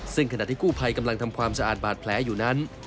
ซึ่งขณะที่กู้ภัยกำลังทำความสะอาดบาดแผลอยู่นั้น